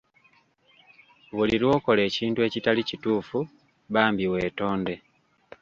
Buli lw'okola ekintu ekitali kituufu, bambi weetonde.